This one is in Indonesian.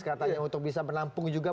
katanya untuk bisa menampung juga